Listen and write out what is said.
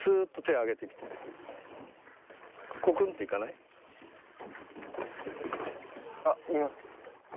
あっいいます。